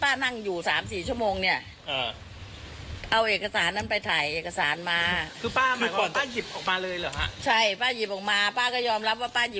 อย่างงี้มันก็เป็นการกรับป้าอันนี้มันเป็นทรัพย์คือเอกสารมันความผิดมันไม่ได้ร้ายแรงอะไร